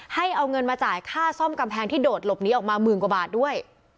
ให้เอาเงินมาจ่ายค่าซ่อมกำแพงที่โดดหลบหนีออกมาหมื่นกว่าบาทด้วย